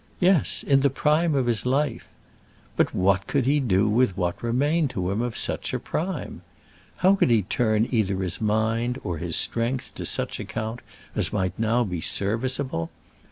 Yes; in the prime of his life! But what could he do with what remained to him of such prime? How could he turn either his mind or his strength to such account as might now be serviceable?